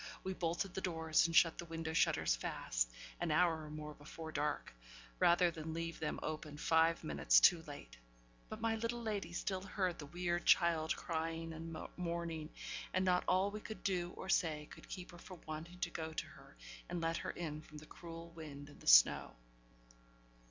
We bolted the doors, and shut the window shutters fast, an hour or more before dark, rather than leave them open five minutes too late. But my little lady still heard the weird child crying and mourning; and not all we could do or say could keep her from wanting to go to her, and let her in from the cruel wind and the snow.